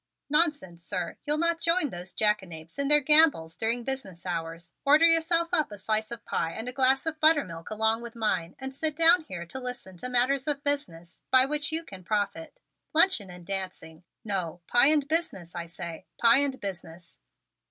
"Nonsense, sir! You'll not join those jackanapes in their gambols during business hours. Order yourself up a slice of pie and a glass of buttermilk along with mine and sit down here to listen to matters of business by which you can profit. Luncheon and dancing! No, pie and business, I say, pie and business!"